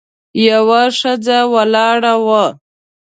یوه ښځه ولاړه وه.